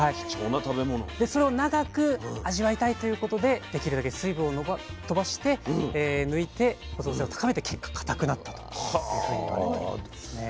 それを長く味わいたいということでできるだけ水分を飛ばして抜いて保存性を高めた結果固くなったというふうに言われてるんですね。